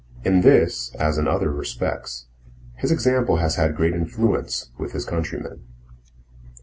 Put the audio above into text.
In this, as in other respects, his example has had great influence with his countrymen.